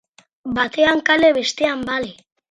Batean kale, bestean bale.